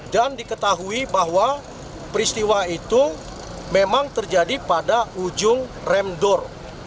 dan diketahui bahwa peristiwa itu memang terjadi pada ujung remdor